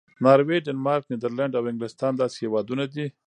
ناروې، ډنمارک، نیدرلینډ او انګلستان داسې هېوادونه دي.